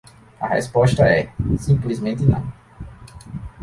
A resposta é: simplesmente não.